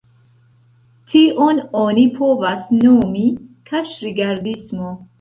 Tion oni povas nomi "kaŝ-rigardismo".